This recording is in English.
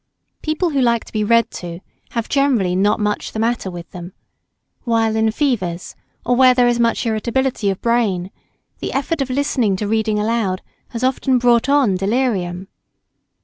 People who like to be read to, have generally not much the matter with them; while in fevers, or where there is much irritability of brain, the effort of listening to reading aloud has often brought on delirium.